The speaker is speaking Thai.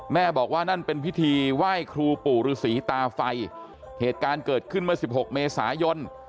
แม่บอกว่านั่นเป็นพิธีไหว้ครูปู่ฤษีตาไฟเหตุการณ์เกิดขึ้นเมื่อสิบหกเมษายน